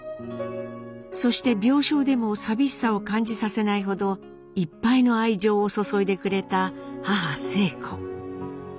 そして病床でも寂しさを感じさせないほどいっぱいの愛情を注いでくれた母晴子。